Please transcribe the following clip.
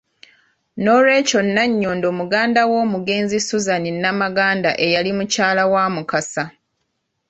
Nolwekyo Nanyondo muganda w'omugenzi Suzan Namaganda eyali mukyala wa Mukasa.